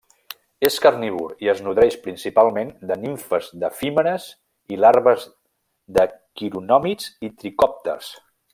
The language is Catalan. És carnívor i es nodreix principalment de nimfes d'efímeres i larves de quironòmids i tricòpters.